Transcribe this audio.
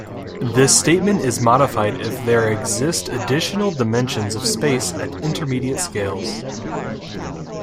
This statement is modified if there exist additional dimensions of space at intermediate scales.